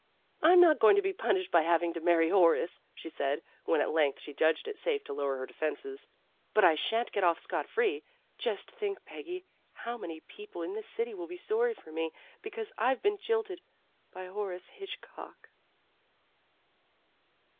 "I'm not going to be punished by having to marry Horace," she said, when at length she judged it safe to lower her defenses. "But I shan't get off scott free. Just think, P e ggy> now many people in this city will be sorry for me, because I've been jilted by Horace Hitchcock."